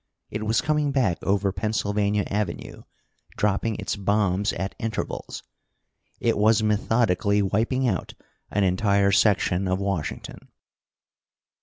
It was coming back over Pennsylvania Avenue, dropping its bombs at intervals. It was methodically wiping out an entire section of Washington.